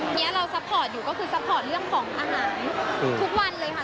นี้เราซัพพอร์ตอยู่ก็คือซัพพอร์ตเรื่องของอาหารทุกวันเลยค่ะ